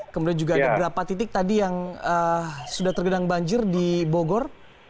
kemudian juga ada berapa titik tadi yang sudah tergenang banjir di bogor